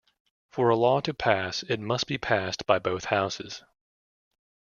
For a law to pass, it must be passed by both houses.